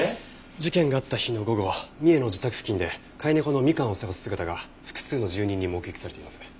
事件があった日の午後三重の自宅付近で飼い猫のみかんを捜す姿が複数の住人に目撃されています。